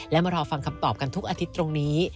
และมารอฟังคำตอบกันทุกอาทิตย์ตรงนี้